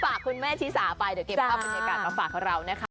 ฝากคุณแม่ธิสาไปเดี๋ยวเก็บอ้อมมูลในอากาศแล้วฝากของเรานะคะ